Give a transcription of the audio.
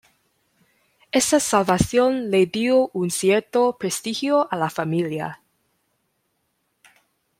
Esta salvación le dio un cierto prestigio a la familia.